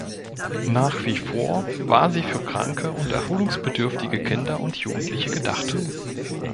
Nach wie vor war sie für kranke und erholungsbedürftige Kinder und Jugendliche gedacht.